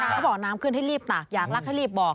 เขาบอกน้ำขึ้นให้รีบตากอยากรักให้รีบบอก